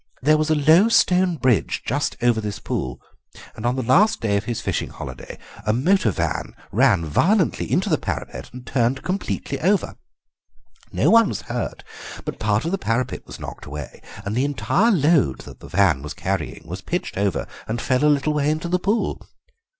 There was a low stone bridge just over this pool, and on the last day of his fishing holiday a motor van ran violently into the parapet and turned completely over; no one was hurt, but part of the parapet was knocked away, and the entire load that the van was carrying was pitched over and fell a little way into the pool.